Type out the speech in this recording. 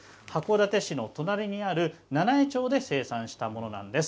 函館市の隣にある七飯町で生産したものです。